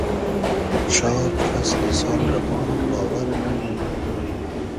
چار فئسلی سال رۂ ما باوئر نئنوم